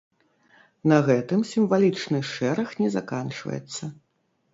На гэтым сімвалічны шэраг не заканчваецца.